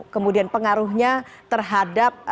kemudian pengaruhnya terhadap